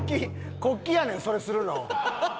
国旗やねんそれするの。